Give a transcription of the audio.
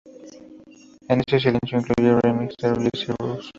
En este sencillo incluye remixes de Jesse Rose.